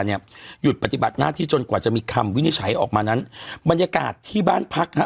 หยุดปฏิบัติหน้าที่จนกว่าจะมีคำวินิจฉัยออกมานั้นบรรยากาศที่บ้านพักฮะ